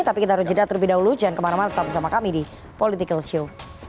tapi kita harus jeda terlebih dahulu jangan kemana mana tetap bersama kami di political show